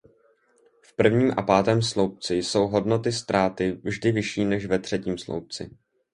V prvním a pátém sloupci jsou hodnoty ztráty vždy vyšší než ve třetím sloupci.